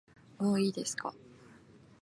もういいですか